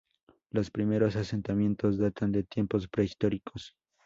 Los primeros asentamientos datan de tiempos prehistóricos.